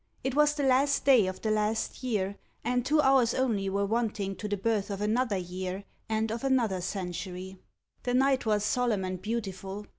It was the last day of the last year, and two hours only were wanting to the birth of another year and of another century. The night was solemn and beautiful.